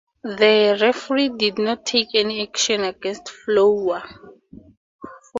The referee did not take any action against Fowler.